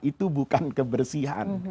itu bukan kebersihan